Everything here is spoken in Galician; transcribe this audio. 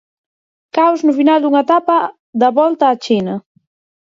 Caos no final dunha etapa da Volta á China.